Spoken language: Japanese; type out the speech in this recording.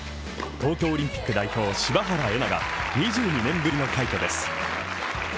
東京オリンピック代表、柴原瑛菜が２２年ぶりの快挙です。